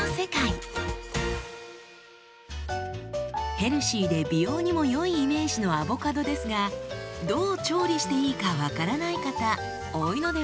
ヘルシーで美容にも良いイメージのアボカドですがどう調理していいか分からない方多いのではないでしょうか？